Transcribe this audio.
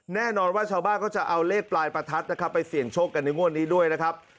แน่นอนว่าชาวบ้านก็จะเอาเลขปลายประทัดนะครับไปเสี่ยงโชคกันในงวดนี้ด้วยนะครับ